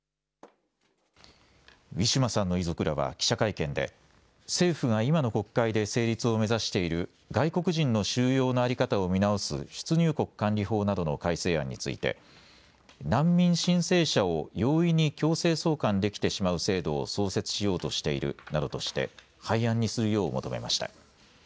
ウィシュマさんの遺族らは記者会見で政府が今の国会で成立を目指している外国人の収容の在り方を見直す出入国管理法などの改正案について難民申請者を容易に強制送還できてしまう制度を創設しようとしているなどとして廃案にするよう求めました。